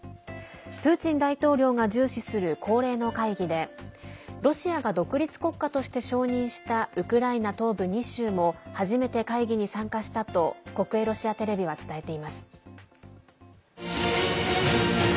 プーチン大統領が重視する恒例の会議でロシアが独立国家として承認したウクライナ東部２州も初めて会議に参加したと国営ロシアテレビは伝えています。